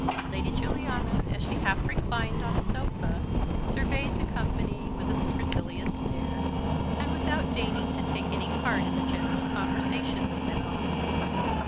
Lady Juliana, as she half reclined on a sofa, surveyed the company with a supercilious stare, and without deigning to take any part in the general conversation that went on.